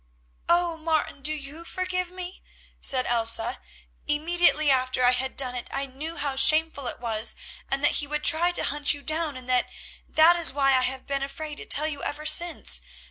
"Oh! Martin, do you forgive me?" said Elsa. "Immediately after I had done it I knew how shameful it was, and that he would try to hunt you down, and that is why I have been afraid to tell you ever since.